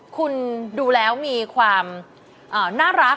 คุณดูแล้วมีความน่ารัก